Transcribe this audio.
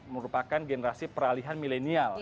merupakan generasi peralihan milenial